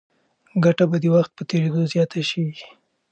ګټه به د وخت په تېرېدو زیاته شي.